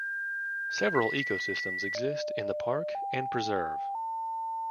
Several ecosystems exist in the park and preserve.